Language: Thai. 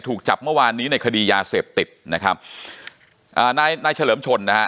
ถูกจับเมื่อวานนี้ในคดียาเสพติดนะครับอ่านายนายเฉลิมชนนะฮะ